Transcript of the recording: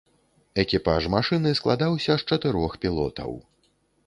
Экіпаж машыны складаўся з чатырох пілотаў.